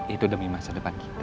itu demi masa depan kita